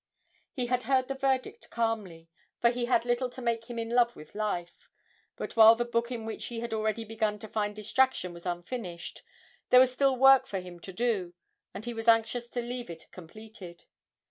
He had heard the verdict calmly, for he had little to make him in love with life, but while the book in which he had already begun to find distraction was unfinished, there was still work for him to do, and he was anxious to leave it completed.